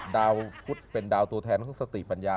ดาวพุทธเป็นดาวตัวแทนก็คือสติปัญญา